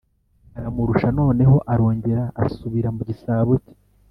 aramurusha, noneho arongera asubira mu gisabo ke.